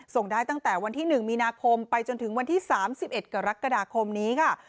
ส่งได้ตั้งแต่วันที่๑มีนาคมไปจนถึงวันที่๓๑กรกฎาคมนี้ค่ะ